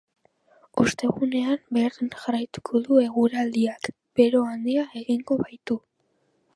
Ostegunean berdin jarraituko du eguraldiak, bero handia egingo baitu.